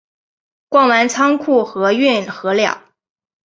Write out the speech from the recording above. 逛完仓库和运河了